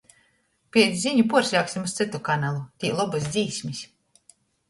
Piec ziņu puorslēgsim iz cytu kanalu, tī lobys dzīsmis.